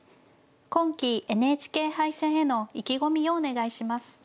今期ＮＨＫ杯戦への意気込みをお願いします。